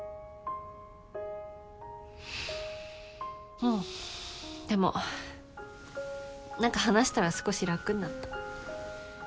うんでも何か話したら少し楽になった。